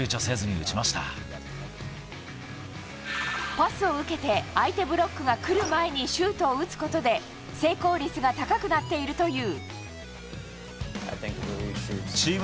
パスを受けて相手ブロックが来る前にシュートを打つことで成功率が高くなっているという。